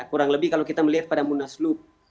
kurang lebih kalau kita melihat pada munaslup